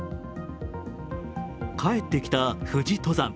帰ってきた富士登山。